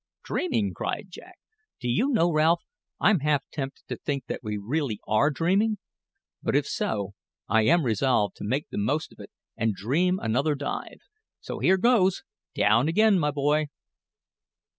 "Dreaming!" cried Jack. "Do you know, Ralph, I'm half tempted to think that we really are dreaming! But if so, I am resolved to make the most of it and dream another dive; so here goes down again, my boy!"